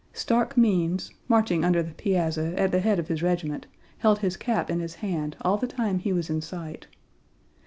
Stark Means, marching under the piazza at the head of his regiment, held his cap in his hand all the time he was in sight.